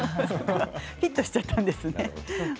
フィットしちゃったんですね。